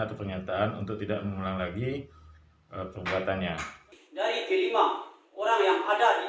terima kasih untuk tidak mengulang lagi perbuatannya dari kelima orang yang ada di